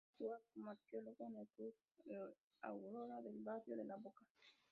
Comenzó a jugar como arquero en el Club Aurora del barrio de La Boca.